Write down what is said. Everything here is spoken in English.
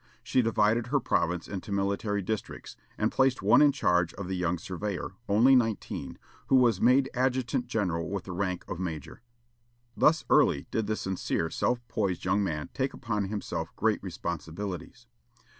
She divided her province into military districts, and placed one in charge of the young surveyor, only nineteen, who was made adjutant general with the rank of major. Thus early did the sincere, self poised young man take upon himself great responsibilities.